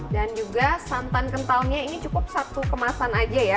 juga santan kentalnya ini cukup satu kemasan aja ya